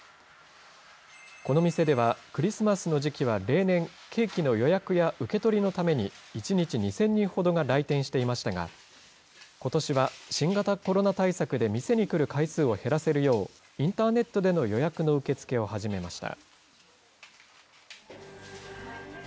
この店では、クリスマスの時期は例年、ケーキの予約や受け取りのために、１日２０００人ほどが来店していましたが、ことしは新型コロナ対策で店に来る回数を減らせるよう、インターネットでの予約の受け付けを始めました。